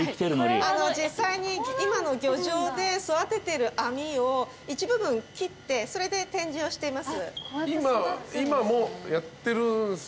実際に今の漁場で育ててる網を一部分切ってそれで展示をしてます。